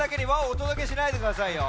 おとどけしないでくださいよ。